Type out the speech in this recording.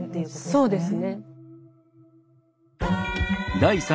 そうですね。